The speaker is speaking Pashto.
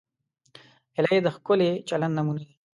هیلۍ د ښکلي چلند نمونه ده